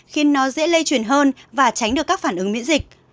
khiến nó dễ lây truyền hơn và tránh được các phản ứng miễn dịch